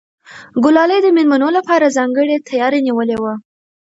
ګلالۍ د مېلمنو لپاره ځانګړی تیاری نیولی و.